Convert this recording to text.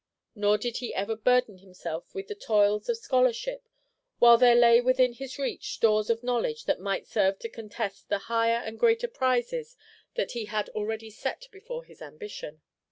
Nor did he ever burden himself with the toils of scholarship while there lay within his reach stores of knowledge that might serve to contest the higher and greater prizes that he had already set before his ambition.